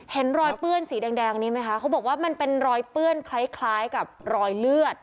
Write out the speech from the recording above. เห็นรอยเปื้อนสีแดงนี้ไหมคะเขาบอกว่ามันเป็นรอยเปื้อนคล้ายกับรอยเลือด